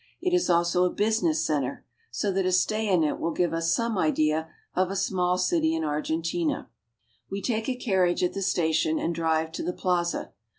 It is also a business center, so that a stay in it will give us some idea of a small city in Argentina. We take a carriage at the station and drive to the plaza.